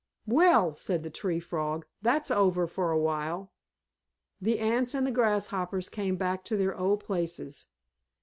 "Well," said the Tree Frog. "That's over for a while." The Ants and the Grasshoppers came back to their old places.